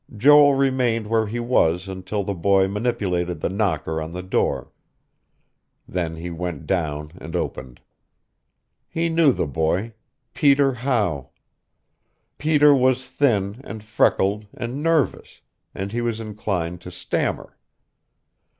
Joel remained where he was until the boy manipulated the knocker on the door; then he went down and opened. He knew the boy; Peter How. Peter was thin and freckled and nervous; and he was inclined to stammer.